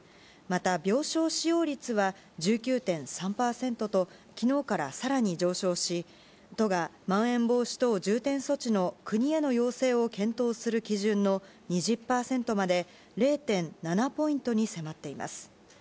また、病床使用率は１９．３％と昨日から更に上昇し都が、まん延防止等重点措置の国への要請を検討する基準の２０％まで０．７ポイントに迫っています。